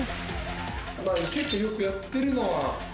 ・結構よくやってるのは。